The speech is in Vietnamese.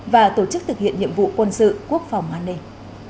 và tổ chức thực hiện nhiệm vụ quân sự quốc phòng an ninh